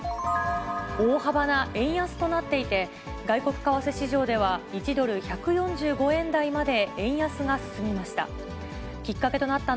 大幅な円安となっていて、外国為替市場では、１ドル１４５円台まで円安が進みました。